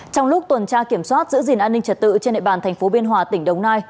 trong lúc tuần tra kiểm soát giữ gìn an ninh trật tự trên đại bàn tp biên hòa tỉnh đồng nai